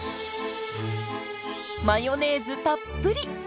マヨネーズたっぷり！